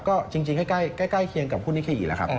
ก็จริงใกล้เคียงกับคุณนิเคอีแล้วครับ